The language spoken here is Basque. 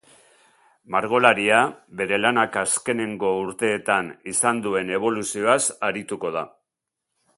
Margolaria bere lanak azkeneko urteetan izan duen eboluzioaz arituko da.